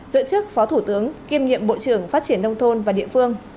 giữ chức phó thủ tướng kiêm nhiệm bộ trưởng phát triển nông thôn và địa phương